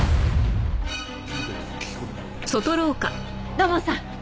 土門さん。